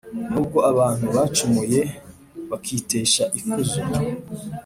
Nubwo abantu bacumuye bakitesha ikuzo